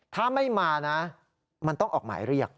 ถ้าไม่มานะมันต้องออกหมายเรียก